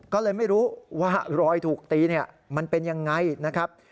ก็เลยไม่รู้ว่ารอยถูกตีเนี่ยมันเป็นยังไงนะครับ